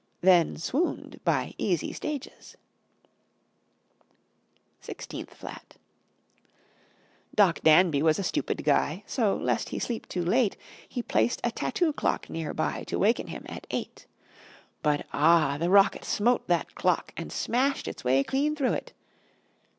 Then swooned by easy stages. [Illustration: FIFTEENTH FLAT] SIXTEENTH FLAT Doc Danby was a stupid guy, So, lest he sleep too late, He placed a tattoo clock near by To waken him at eight. But, ah! the rocket smote that clock And smashed its way clean through it!